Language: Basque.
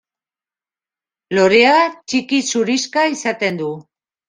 Lorea txiki zurixka izaten du.